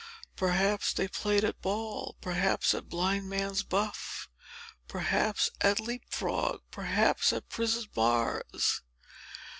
Perhaps they played at ball—perhaps at blindman's buff—perhaps at leap frog—perhaps at prison bars.